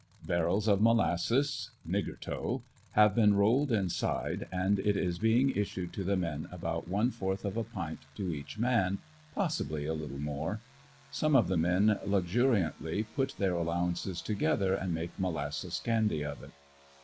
Barrels of molasses (nigger toe) have been rolled inside and it is being issued to the men, about one fourth of a pint to each man, possibly a little more. Some of the men, luxuriantly, put their allowances together and make molasses candy of it.